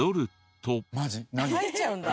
描いちゃうんだ。